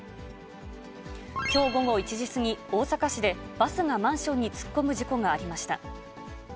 きょう午後１時過ぎ、大阪市で、バスがマンションに突っ込む事故がありました。